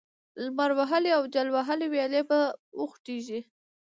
لمر وهلې او جل وهلې ويالې به وخوټېږي،